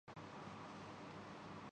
میرا قصور کیا ہے؟